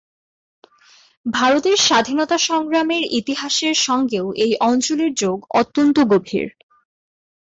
ভারতের স্বাধীনতা সংগ্রামের ইতিহাসের সঙ্গেও এই অঞ্চলের যোগ অত্যন্ত গভীর।